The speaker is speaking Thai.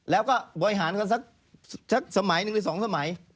แล้วก็บ่อยหาญกันสักสมัย๑หรือ๒สมัย